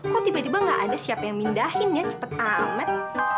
kok tiba tiba nggak ada siapa yang pindahin ya cepet amat